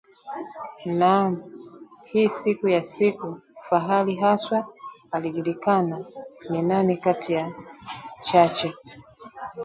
Naam! Hii siku ya siku, fahali haswa alijulikana ni nani kati ya Chacha